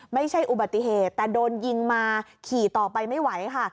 ไม่ใช่อุบัติเหตุแต่โดนยิงมาขี่ต่อไปไม่ไหวค่ะ